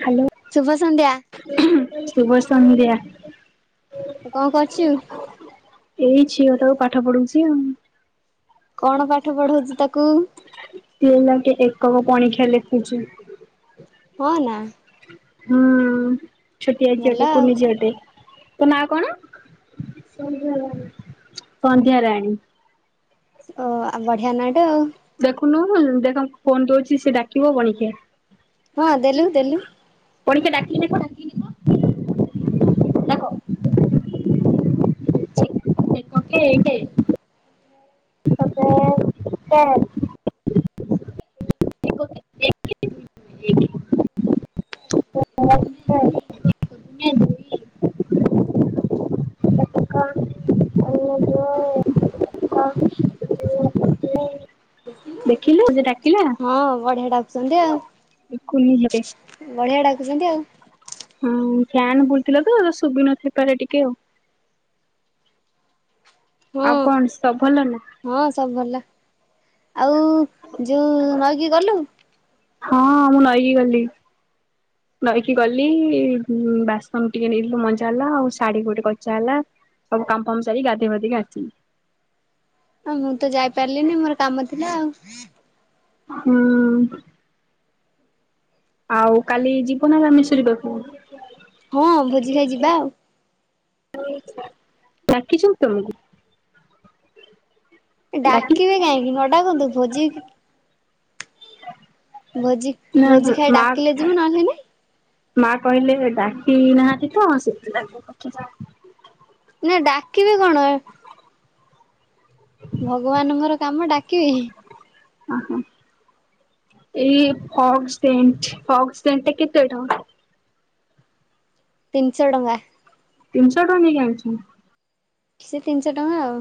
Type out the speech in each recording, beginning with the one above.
Hello ଶୁଭ ସନ୍ଧ୍ୟା। ଉଂମ ଶୁଭ ସଂନ୍ଧ୍ୟା କଣ କରୁଛୁ? ଏଇ ଝିଅଟାକୁ ପାଠ ପଢ଼ାଉଛି ଆଉ କଣ ପାଠ ପଢଉଛୁ ତାକୁ? ଏଇ ଲାଗେ ଏକ ହ ପଣିକ୍ଷ୍ୟ ଲେଖୁଛି ହଁ ନା ହୁଁ ଛୋଟିଆ ଭଲ ଛୁଆଟେ ଆଉ। କୁନି ଛୁଆଟେ ତୋ ନାଁ କଣ ସନ୍ଧ୍ୟାରାଣୀ ସନ୍ଧ୍ୟାରାଣୀ ଓ ଆଉ ବଢିଆ ନା ଟା ଆଉ ଦେଖୁନୁ ଦେଖ ଫୋନ୍ ଦଉଚି ସେ ଡାକିବ ପଣିକ୍ୟା। ହଁ ଦେଲୁ ଦେଲୁ ପଣିକିଆ ଡାକିକି ନେଖ ଡାକିକି ନେଖ [unintelligible] ଡାକ। [inaudible] ଛି ଏକ କେ ଏକେ। ଏକ କେ ଏକ [unintelligible] ଏକେ [inaudible] ଦୁଇ ଙ୍କ [inaudible] [unintelligible] କ [inaudible] ଦେଖିଲୁ ସେ ଡାକିଲା ହଁ ବଢିଆ ଡାକୁଛନ୍ତି [unintelligible] ଆଉ। ବଢିଆ ଡାକୁଛନ୍ତି ଆଉ। ଫ୍ୟାନ୍ ବୁଲଥିଲା ତ, ତ ଶୁଭି ନଥାପାରେ ଟିକେ ଆଉ। ଆଉ ହଁ କଣ ସବୁ ଭଲ ନା? ହଁ ସବୁ ଭଲ। ଆଉ ଯୋଉ ନଈକି ଗଲୁ? ହଁ ମୁଁ ନଈକି ଗଲି। ନଈକି ଗଲି ଉଁ, ବାସନ ଟିକେ ନେଇଥିଲୁ ମଜା ହେଲା ଆଉ ଶାଢୀ କ ଗୋଟେ କଚା ହେଲା ସବୁ କାମ ଫାମ ସାରି ଗାଧେଇ ଫାଧେଇ ଆସିଲି। ହଁ ମୁଁ ତ ଯାଇପାରିଲିନି ମୋର କାମ ଥିଲା ଆଉ। ହୁଁ। ଆଉ କାଲି ଯିବ ନା ବେ ଆମେ ତୁ ଯିବାକୁ ହଁ ଭୋଜି ଖାଇ ଯିବା ଆଉ। ଡାକିଛନ୍ତି ତୋମକୁ? ଏ ଡାକିବେ କାହିଁକି ନ ଡାକନ୍ତୁ ଭୋଜି ଭୋଜି ନା ଭୋଜି ଖାଇ ମା ଡାକିଲେ ଯିବୁ ନହେଲେ ନାଇଁ। ମା କହିଲେ ଡାକି ନାହାନ୍ତି ତ ସେଥିପାଇଁ [unintelligible] ନା ଡାକିବେ କଣ ଭଗବାନଙ୍କର କାମ ଡାକିବି। ଅଁ, ହୋ ଏଇ ଫଗ୍ ସେଣ୍ଟ ଫଗ୍ ସେଣ୍ଟ ଟା କେତେ ଟଙ୍କା? ତିନିଶ ଟଙ୍କା। ତିନିଶ ଟଙ୍କା ନେଇକି ଆଣିଛୁ। ସେ ତିନିଶ ଟଙ୍କା ଆଉ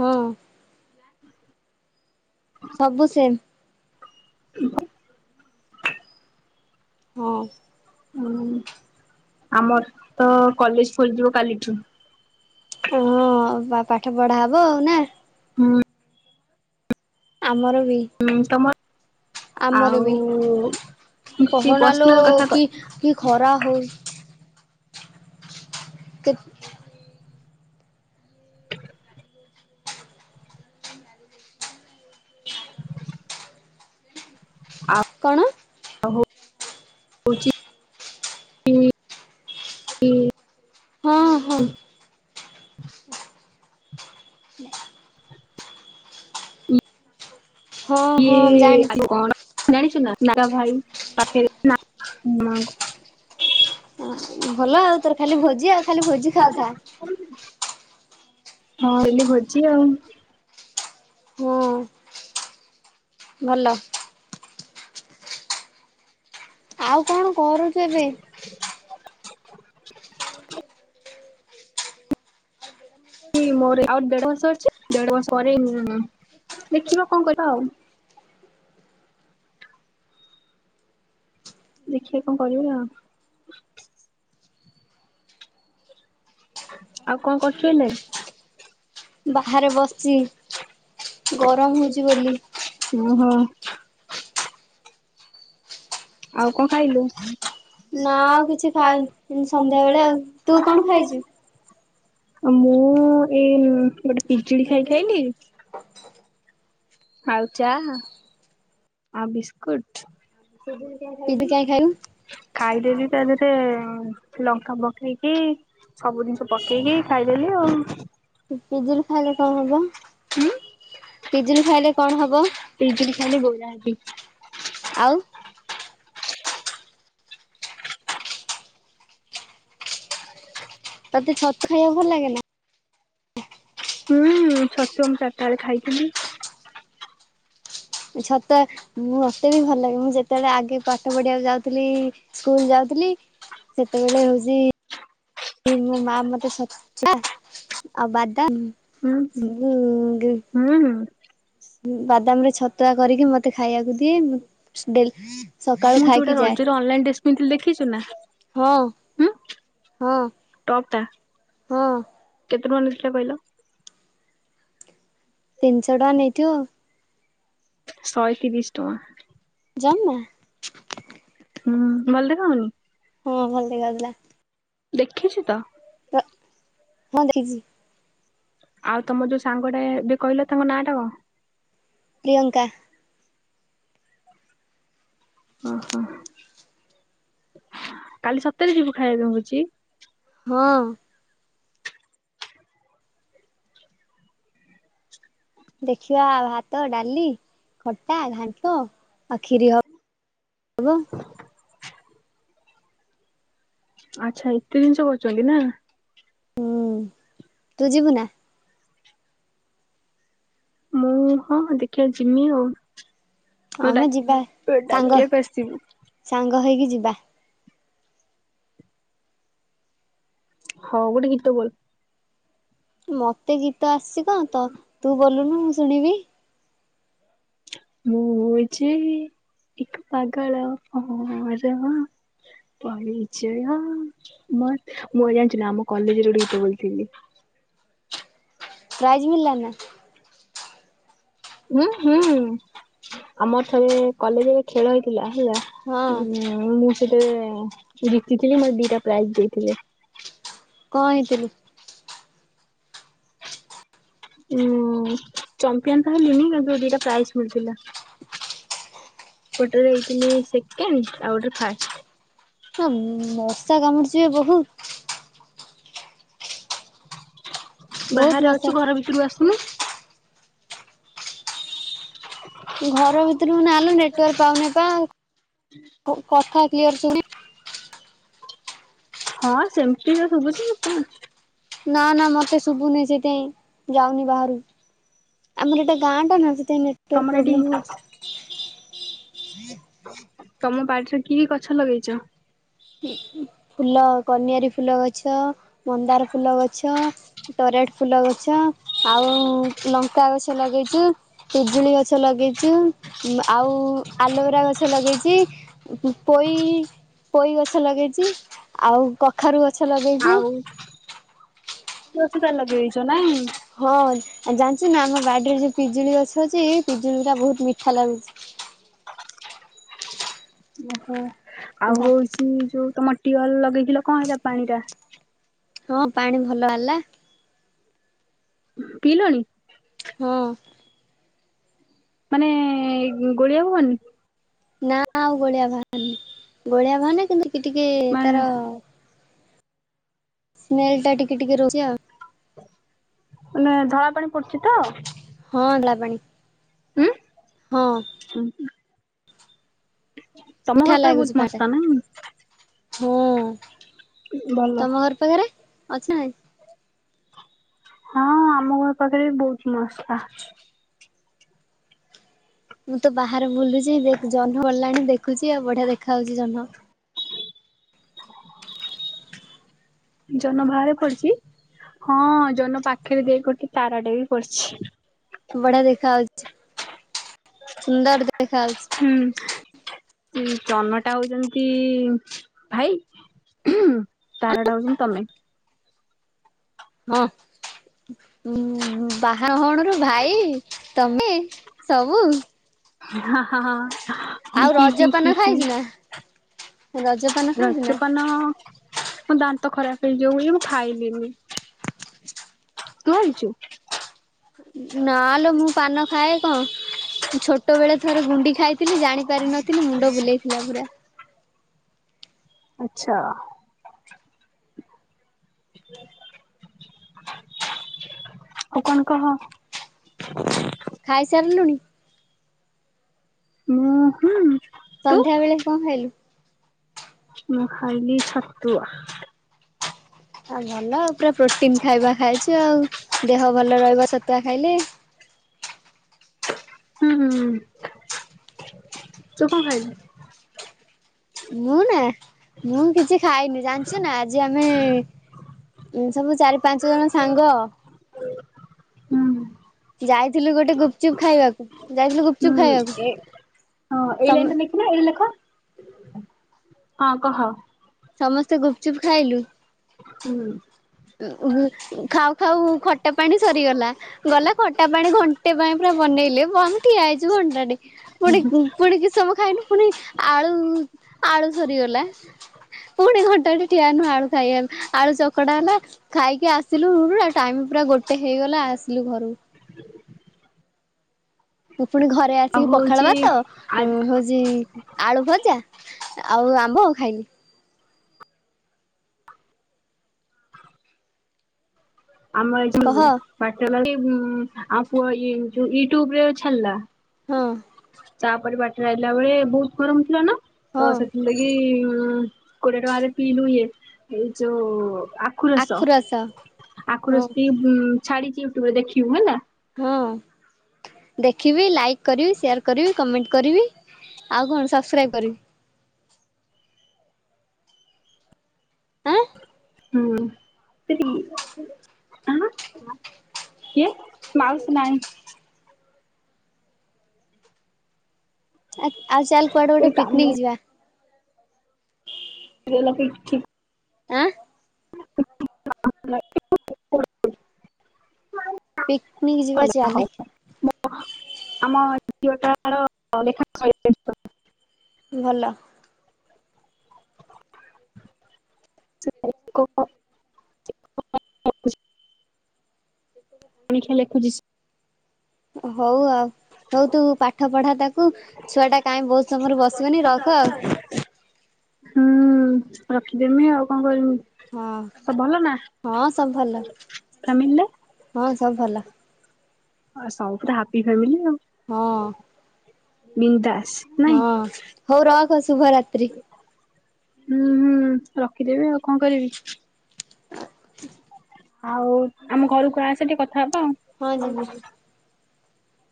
ହଁ। ସବୁ ସେମ୍। [unintelligible] ହଁ। ହଁ ଆମର ତ କଲେଜ୍ ଖୋଲିଯିବ କାଲିଠୁ। ଏ ହଁ ଆଉ ପା-ପାଠ ପଢା ହବ ନା। ହଁ। ଆମର ବି। ତମର ଆମର ବି ଆଉ କିଛି କହନାଲୋ ପର୍ସନାଲ କଥା କି କ। କେତ [unintelligible] କଣ। ଆଉହଉଛି ହଁ ହଁ [unintelligible] ହଁ ହଁ ଜାଣିଛି। ଇଏ କଣ ଜାଣିଛୁ ନା ମ୍ୟାଡ଼ାମ୍ ଭାଇ ପାଖେ। ଭଲ ଆଉ ଭଲ ତୋର ଆଉ ଖାଲି ତ ଭୋଜି ଖାଲି ଆଉ ଭୋଜି ତୁ ଖା ଖାଉଥା ଖା। ହଁ ହେଲି ଭଜି ଆଉ। ହଁ ଭଲ। ଆଉ କଣ କରୁଛ ଏବେ? ମୋ ଆ ଦେଢ ବର୍ଷ ଅଛି ଦେଢ ବର୍ଷ ପରେ ଦେଖିବା କଣ କରିବା ଆଉ। ଦେଖିବା କଣ କରିବୁ ଆଉ? ଆଉ କଣ କରଥିଲ ହେଲେ? ବାହାରେ ବସିଛି ଗରମ ହଉଛି ବୋଲି ଓହୋ। [inaudible] ଆଉ କଣ ଖାଇଲୁ? ନା ଆଉ କିଛି ଖାଇନି ସନ୍ଧ୍ୟା ବେଳେ ଆଉ। ତୁ କଣ ଖାଇଛୁ? ଆ ମୁଁ ଏଇ ଗୋଟେ ପିଜୁଳି ଖାଇକି ଆଇଲି। ଆଉ ଚା ଆ ବିସ୍କୁଟ ପିଜୁଳି ଖାଇବି କାଇଁ ଖାଇବୁ ଖାଇଦେବି ତା ଦେହରେ ଲଙ୍କା ବ କି ସବୁ ଜିନିଷ ପକେଇକି ଖାଇଦେଲି ଆଉ। ପିଜୁଳି ଖାଇଲେ କଣ ହବ? ଉଁ? ପିଜୁଲି ଖାଇଲେ କଣ ହବ? ପିଜୁଳି ଖାଇଲେ ଗୋର ହେବି। ଆଉ? ତାେ ଛତୁ ଖାଇବା ଭଲ ଲାଗେ ନା? ହୁଁ ଛତୁ ମୁ ଚାରିଟା ବେଳେ ଖାଇଥିଲି। ଛତୁଆ ମତେ ବି ଭଲ ଲାଗେ। ମୁଁ ଯେତେବେଳେ ଆଗେ ପାଠ ପଢିବାକୁ ଯାଉଥିଲି ସ୍କୁଲ ଯାଉଥିଲି ସେତେବେଳେ ହଉଛି ମୋ ମା ମତେ ଛତୁଆ ଆଉ ବାଦାମ ହୁଁ ହୁଁ। ସବୁ ହୁଁ ହଁ। ବାଦାମରେ ଛତୁଆ କରିକି ମତେ ଖାଇବାକୁ ଦିଏ। ଡେ ମୁଁ ଯୋଉଟା ରଜରେ ଅନଲାଇନ୍ ଡ୍ରେସ୍ କିନିଥିଲି ଦେଖିଛୁ ନା ହଁ ଉଁ ହଁ ଟପ୍ ଟା। ହଁ। କେତେ ଟଙ୍କା ନେଇଥିଲା କହିଲୁ? ତିନିଶ ଟଙ୍କା ନେଇଥିବ ଆଉ। ଶହେ ତିରିଶ ଟଙ୍କା ଜାନା ହୁଁ ବଲଦଖା ହନି। ହଁ ଭଲ ଦେଖାଯାଉଥିଲା। ଦେଖିଛୁ ତ? ତ ହଁ ଦେଖିଚି। ଆଉ ତମ ଯୋଉ ସାଙ୍ଗ ଟାବେ କହିଲ ତାଙ୍କ ନାଁ ଟା କ? ପ୍ରିୟଙ୍କା। ଅହ। କାଲି ସତରେ ଯିବୁ ଖାଇବାକୁ ହୁଛି। ହଁ। ଦେଖିବା ଭାତ, ଡାଲି, ଖଟା, ଘାଣ୍ଟ ଆଉ ଖିରି ହବ ହବ ଆଛ ଏତେ ଜିନିଷ କରୁଛନ୍ତି ନା। ହୁଁ ତୁ ଯିବୁ ନା? ମୁଁ ହଁ ଦେଖିବା ଯମି ଆଉ। ମୁଁ ହଁମ ଯିବା ଡାକ ଡାକିବାକୁ ଆସିବି। ଙ୍ଗହେଇକି ଯିବା। ହଉ ଗୋଟେ ଗୀତ ବୋଲ? ମତେ ଗୀତ ଆସିଛି କଣ ତ ତୁ ବୋଲୁନୁ ମୁଁ ଶୁଣିବି ମୁଁ ଯେ ଏକ ପାଗଳ ଭଅଁର ପରିଚୟ ମତେ ମୁଁ ଜାଣିଚୁନା ଆମ କଲେଜରେ ଗୋଟେ ଗୀତ ବୋଲିଥିଲି। ପ୍ରାଇଜ୍ ମିିଳିଲାନା? ଉଁ ହୁଁ ଆମର ଥରେ କଲେଜରେ ଖେଳ ହେଇଥିଲା ଥିଲା ହଁ ଉଉଁ ମୁଁ ସେଥିରେ ଜିତିଥିଲି ମୋତେ ଦିଟା ପ୍ରାଇଜ ଦେଇଥିଲେ। କଣ ହେଇଥିଲୁ? ଉ ଚମ୍ପିୟନ ତ ହେଲିନି କିନ୍ତୁ ଦିଟା ପ୍ରାଇଜ ମିଳିଥିଲା ଗୋଟେରେ ହେଇଥିଲି ସେକେଣ୍ଡ ଆଉ ଗୋଟରେ ଫାଷ୍ଟ ହଁ ମଶା କାମୁଡ଼ୁଚିବେ ବହୁତ [inaudible] ବହୁତ ବାହାରେ ମଶା ଅଛୁ ଘର ଭିତରୁ ଆସୁନୁ ଘର ଭିତରକୁ ନାଲେ ନେଟୱାର୍କ ପାଉନି ବା କଥା କ୍ଲିୟର ଶୁନି ହଁ ସେମିତି ତ ଶୁଭୁଛି କଣ ଅଛି? ନା ନା ମତେ ଶୁଭୁନି ସେଇଥିାଇଁ ଯାଉନି ବାହାରୁ ଆମର ଏଟା ଗାଁ ଟା ନା ସେଥିପାଇଁ ନେଟଟ୍ୱାର୍କ ତମର ଏଠି ପ୍ରୋବ୍ଲେମ ହଉଛି। [inaudible] ତମ ବାଡିରେ କି କି ଗଛ ଲଗେଇଛ? ଫୁଲ କନିଆରୀ ଫୁଲ ଗଛ ମନ୍ଦାର ଫୁଲ ଗଛ, ଟରାଟ ଫୁଲ ଗଛ, ଆଉ ଲଙ୍କା ଗଛ ଲଗେଇଛୁ, ପିଜୁଳି ଗଛ ଲଗେଇଛୁ, ଆଉ ଆଲୋଭେରା ଗଛ ଲଗେଇଛି, ପୋଇ ପୋଇ ଗଛ ଲଗେଇଛି ଆଉ କଖାରୁ ଗଛ ଗଛ ଲାଗେଇଛି, ଏତେ ଗଛ ତାହେଲେ ଲଗେଇ ଦେଇଛ ନାଇଁ, ହଁ ଜାଣିଛୁ ନା ଆମ ବାଡିରେ ଯୋଉ ପିଜୁଳି ଗଛ ଅଛି ପିଜୁଳି ଟା ବହୁତ ମିଠା ଲାଗୁଛି, ଓହୋ, ଆଉ ହଉଛି ଯୋଉ ତମ ଟି ଅଲ ଲଗେଇଛି କିଲ କଣ ହେଲା ପାଣି ଟା ହଁ ପାଣି ଭଲ ହେଲା, ପିଇଲଣି? ହଁ, ମାନେ ଗୋଳିଆ ହବନି ନା ଆଉ ଗୋଳିଆ ବାହାରୁନି ଗୋଳିଆ ବାହାରୁନି କିନ୍ତୁ କି ଟିକେ ମାନେ ତାର ସ୍ମେଲ ଟା ଟିକେ ଟିକେ ରହୁଛି ଆଉ ମାନେ ଧଳା ପାଣି ପଡୁଛି ତ ହଁ ଧଳା ପାଣି ଉଁ ହଁ ଉଁ ହୁଁ ତମ ମିଠା ବାପରେ ବହୁତ ମସଲା ନାହିଁ ହୁଁ ତମ ଘର ପାଖରେ ଅଛି ନାଇଁ ହଁ ଆମ ଘର ପାଖରେ ବି ବହୁତ ମସଲା ମୁଁ ତ ବାହାରେ ବୁଲୁଚି ଜହ୍ନ ଗଲାଣି ଦେଖୁଛି ଆଉ ବଢିଆ ଦେଖାହ ଉଛି ଜହ୍ନ ଜନ ବାହାରେ ପଡିଛି ହଁ ଜନ ପାଖରେ ଦେଖ ତାରାଟେ ବି ପଡିଛି। ବଢିଆ ଦେଖା ହଉଛି। ହୁଁ ସେ ଜନଟା ଆଉ ଯେମିତି ଭାଇ ତାରା ଟା ହଉଛନ୍ତି ତମେ ହଁ ବାହା ହଉଣୁରୁ ଭାଇ ତମେ ସବୁ ହଁ ହଁ ହଁ ହି ଆଉ ହି ହି ହି ରଜପାନ ହି। ଖାଇଛୁ ନା ରଜପାନ ଖାଇଛୁ ନା ରଜପାନ ମୋ ଦାନ୍ତ ଖରାପ ହେଇଯାଉ ମୁଁ ଖାଇଲିନି ତୁ ଖାଇଛୁ ନା ଲୋ ମୁଁ ପାନ ଖାଏ କଣ ଛୋଟ ବେଳେ ଥରେ ଗୁଣ୍ଡି ଖାଇଥିଲି ଜାଣି ପାର ନଥିଲି ମୁଣ୍ଡ ବୁଲେଇଥିଲା ପୁରା ଆଚ୍ଛା ଆଉ କଣ କହ ଖାଇସାରିଲୁଣି ଉଁ ହୁଁ ତୁ? ସନ୍ଧ୍ୟା ବେଳେ କଣ ଖାଇଲୁ? ମୁଁ ଖାଇଲି ଛତୁଆ ଆଉ ଭଲ ପୁରା ପ୍ରୋଟିନ ଖାଇବା ଖାଇଛୁ ଆଉ, ଦେହ ଭଲ ରହିବ ଛତୁଆ ଖାଇଲେ। ହୁଁ ହୁଁ ତୁ କଣ ଖାଇଲୁ? ମୁଁ ନା, ମୁଁ କିଛି ଖାଇନି ଜାଣିଛୁ ନା ଆଜି ଆମେ ସବୁ ଚାରି ପାଞ୍ଚ ଜଣ ସାଙ୍ଗ ହୁଁ ଯାଇଥିଲୁ ଗୋଟେ ଗୁପଚୁପ୍ ଖାଇବାକୁ ଯାଇଥିଲୁ ଗୁପ୍ ହୁଁ ଏ ହଁ ଏଇ ଲାଇନଟା ଲେଖିଲ ଏଇଟା ଲେଖ। ହଁ କହ। ସମସ୍ତେ ଗୁପଚୁପ୍ ଖାଇଲୁ। ହୁଁ। ଖାଉ ଖାଉ ଖଟା ପାଣି ସରିଗଲା ଗଲା ଖଟା ପାଣି ଘଣ୍ଟେ ପାଇଁ ପୁରା ବନେଇଲେ ବମ୍ ଠିଆ ହେଇଛୁ ଘଣ୍ଟାଟେ। ପୁଣି ପୁଣି କିଛି ସମୟ ଖାଇନୁ - ପୁଣି ଆଳୁ, ଆଳୁ ସରିଗଲା, ପୁଣି ଘଣ୍ଟାଟେ ଠିଆ ହେନୁ ଆଳୁ ଖାଇବାକୁ ଆଳୁ ଚକଟା ହେଲା ଖାଇକି ଆସିଲୁ ପୁରା ଟାଇମ୍ ପୁରା ଗୋଟେ ହେଇଗଲା ଆସିଲୁ ଘରୁ- ପୁଣି ଘରେ ଆଉ ଆସିକି ପଖାଳ ହଉଛି ଭାତ ଆ ଉଁ ଉଁ ହଉଛି ଆଳୁ ଭଜା ଆଉ ଆମ୍ବ ଖାଇଲିି। ଆମ ଏ କହ ଯଉ ବାଟ [unintelligible] ଉଁ ଉଁ, ଆମ ପୁଅ ୟେ ଯୋ ୟୁଟ୍ୟୁବରେ ଛାଡିଲା। ହଁ। ତାପରେ ବାଟରେ ଆଇଲା ବେଳେ ବହୁତ ଗରମ ଥିଲା ନା? ତ ହଁ ସେଥିଲାଗି ଉଁ କୋଡିଏ ଟଙ୍କାରେ ପିିଇଲୁ ଇଏ ହେଇ ଯୋଉଉଉ ଆଖୁୁରସ। ଆଖୁରସ ପିଇ ହୁଁ ଉଚ୍ ଛାଡିଛି ୟୁଟ୍ୟୁବରେ ଦେଖିବୁ ହେଲା। ହଁ ଦେଖିବି, ଲାଇକ୍ କରିବି, ସେୟାର କରିବି, କମେଣ୍ଟ କରିବି, ଆଉ କଣ ସବସ୍କ୍ରାଇବ କରିବି। ଆଁ ହୁଁ, ସେ କି ହାଁ କିଏ ମାଉସୀ ନାଇଁ ଆ ଆଉ ଚାଲ୍ କୁଆଡେ ଗୋଟେ ପିକନିକ୍ ଯିବା। [unintelligible] ଆଁ? [inaudible] ପିକନିକ୍ ଯିବା ଚାଲେ। ଆମ ଝିଅଟାର ଲେଖା ସଇଲାଣି। [inaudible] ଭଲ। ସେ [inaudible] ପଣିଖିଆ ଲେଖୁଛି ସେ ହଉ ଆଉ। ହଉ ତୁ ପାଠ ପଢା ତାକୁ- ଛୁଆ ଟା କାଇ ବହୁତ ସମୟରୁ ବସିବନି ରଖ ଆଉ- ହୁଁ ରଖିଦେମି ଆଉ କଣ କରମି- ହଁ ସବୁ ଭଲ ନା ହଁ ସବୁ ଭଲ ଫାମିଲି ରେ - ହଁ ସବୁ ଭଲ ଆଉ ସବୁ ପୁରା ହାପି ଫାମିଲି ଆଉ- ହଁ, ବିନ୍ଦାସ ନାଇଁ? ହଁ ହଉ ରଖ ଶୁଭରାତ୍ରି। ହୁଁ, ହୁଁ ରଖ। ରଖିଦେବି ଆଉ କଣ କରିବି ଆଉ ଆମ ଘରକୁ ଆସେ ଟିକେ କଥା ହବ ହଁ ଯିବି ଆଉ।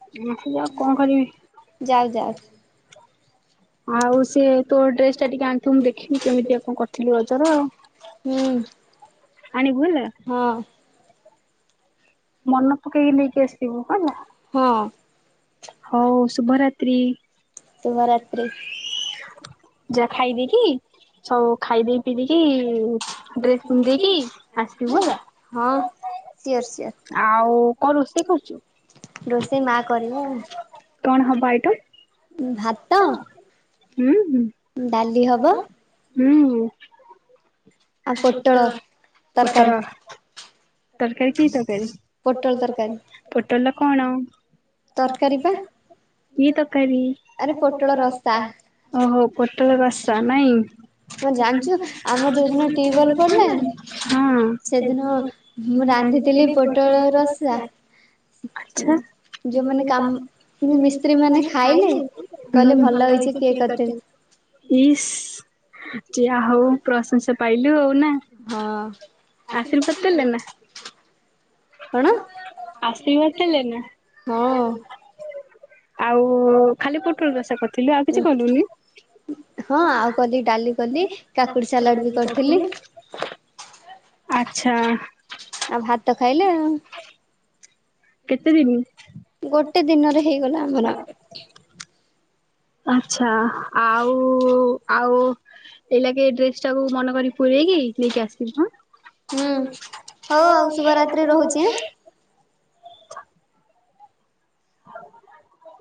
[unintelligible] ଯା କଣ ଯାଉ କରିବି। ଯାଉ ଆଉ ସେଏ ତୋ ଡ୍ରେସ ଟା ଟିକେ ଆଣିଥିବୁ ମୁଁ ଦେଖିବି କେମିତିଆ କଣ କରିଥିଲୁ ରଜର ହୁଁ ଆଣିବୁ ହେଲା। ହଁ ମନ ପକେଇକି ନେଇକି ଆସିବୁ। ହେଲା। ହଁ। ହଉ ଶୁଭରାତ୍ରି ଶୁଭରାତ୍ରି [unintelligible] ଯା ଖାଇଦେଇକି ହଉ। ଖାଇ ଦେଇ ପିଇ ଦେଇକି ଡ୍ରେସ ପିନ୍ଧିଦେଇକି ଆସିିବୁ ହେଲା। ହଁ ସିଓର ସିଓର ଆଉ କଣ ରୁଷେଇ କରୁଚୁ? ରୋଷେଇ ମା କରିବ ଆଉ କଣ ହବ୍? ଭାଇଠୁ ଭାତ। ହୁଁ। ଡାଲି ହବ। ହୁଁ ଉ। ଆଉ ପୋଟଳ ତରକାରୀ ପୋଟଳ। ତରକାରୀ କି ତରକାରୀ ପୋଟଳ ତରକାରୀ। ପୋଟଳ ର କଣ? ତରକାରୀ ବା। କି ତରକାରୀ? ଆରେ ପୋଟଳ ରସା। ଅହୋ ପୋଟଳ ରସା ନାଇଁ। କଣ ଜାଣିଚ ଆମର ଯୋଉ ଦିନ ଟ୍ୟୁବଲ୍ ପଡିଲାନି ହଁ ସେଦିନ ମୁଁ ରାନ୍ଧିଥିଲି ପୋଟଳ ରସା ଆଛା ଯୋଉମାନେ କାମ ମିସ୍ତ୍ରୀ ମାନେ ଖାଇଲେ ଭଲ ହେଇଛି କିଏ କରିଛନ୍ତି। ଇସ୍। ଯା ହଉ ପ୍ରଶଂସା ପାଇଲୁ ଆଉ। ନା। ହଁ ଆସିରି ଆଶୀର୍ବାଦ ଦେଲେ ପକେଇଲୁଣୁ? ନା ଆଶୀର୍ବାଦ ଦେଲେ ନା? ହଁ ଆଉ। ଓ ଖାଲି ପୋଟଳ ରସା କରିଥିଲୁ ଆଉ କିଛି କଲୁନି ହଁ ଆଉ କଲି ଡାଲି କଲି କାକୁଡି ସାଲାଡ ବି କରିଥିଲି ଆଚ୍ଛା। ଆଉ ଭାତ ଖାଇଲେ ଆଉ। କେତେ ଦିନି? ଗୋଟେ ଦିନରେ ହେଇଗଲା ଆମର। ଆଛା। ଆଉ ଆଉ ଏଇ ଲାଗେ ଡ୍ରେସ ଟାକୁ ମନ ପକି ନେଇକି ହୁଁ ହଉ ଆଉ ଶୁଭରାତ୍ରି ରହୁଛି ଆଁ। ଆସିିବି